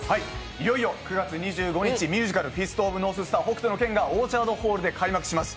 いよいよ９月２５日、ミュージカル「フィスト・オブ・ノーススター北斗の拳」がオーチャードホールで開幕します。